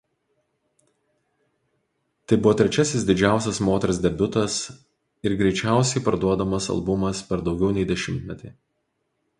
Tai buvo trečiasis didžiausias moters debiutas ir greičiausiai parduodamas albumas per daugiau nei dešimtmetį.